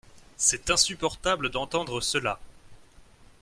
C’est insupportable d’entendre cela.